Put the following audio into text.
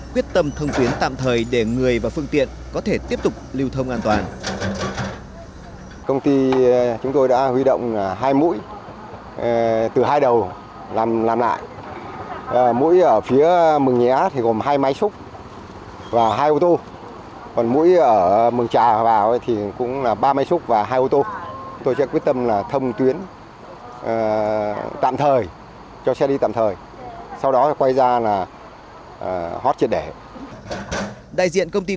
quyết tâm thông tuyến tạm thời để người và phương tiện có thể tiếp tục chờ đợi